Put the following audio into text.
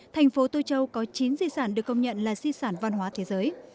thành phố tô châu có chín di sản được công nhận là di sản văn hóa thế giới